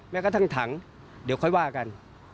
แม้กระทั่งถังเดี๋ยวค่อยว่ากัน